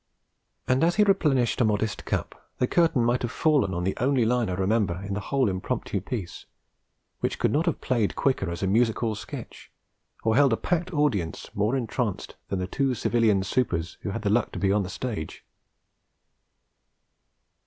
And, as he replenished a modest cup, the curtain might have fallen on the only line I remember in the whole impromptu piece, which could not have played quicker as a music hall sketch, or held a packed audience more entranced than the two civilian supers who had the luck to be on the stage.